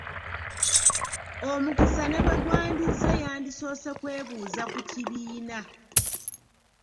Omukisa ne bwe gwandizze yandisoose kwebuuza ku kibiina.